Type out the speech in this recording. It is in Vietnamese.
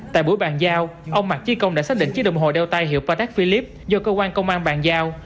tại buổi bàn giao ông mạc trí công đã xác định chiếc đồng hồ đeo tay hiệu patek philippe do cơ quan công an bàn giao